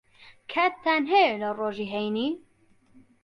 کاتتان ھەیە لە ڕۆژی ھەینی؟